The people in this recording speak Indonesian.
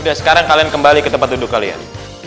udah sekarang kalian kembali ke tempat duduk kalian